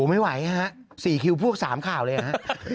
ไม่ไหวฮะ๔คิวพวก๓ข่าวเลยนะฮะ